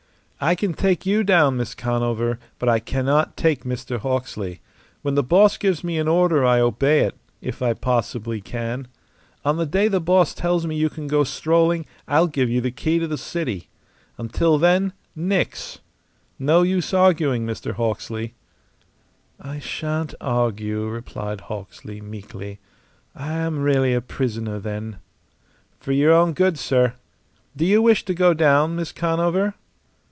"I can take you down, Miss Conover, but I cannot take Mr. Hawksley. When the boss gives me an order I obey it if I possibly can. On the day the boss tells me you can go strolling, I'll give you the key to the city. Until then, nix! No use arguing, Mr. Hawksley." "I shan't argue," replied Hawksley, meekly. "I am really a prisoner, then?" "For your own good, sir. Do you wish to go down, Miss Conover?"